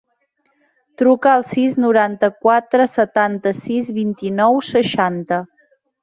Truca al sis, noranta-quatre, setanta-sis, vint-i-nou, seixanta.